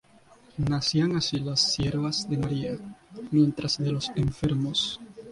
Nacían así las "Siervas de María, Ministras de los Enfermos"'.